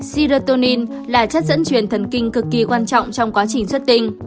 sirotonin là chất dẫn truyền thần kinh cực kỳ quan trọng trong quá trình xuất tinh